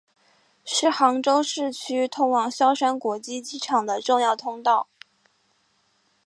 是杭州市区通往萧山国际机场的重要通道。